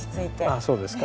ああそうですか？